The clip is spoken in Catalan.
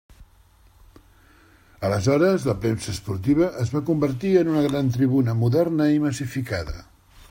Aleshores la premsa esportiva es va convertir en una gran tribuna moderna i massificada.